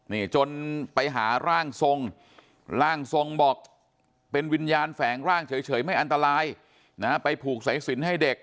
นี่จนไปหาร่างทรงร่างทรงบอกเป็นวิญญาณแฝงร่างเฉยไม่อันตรายนะฮะไปผูกสายสินให้เด็ก